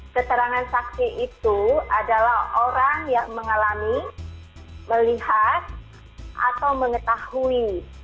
keterangan saksi itu adalah orang yang mengalami melihat atau mengetahui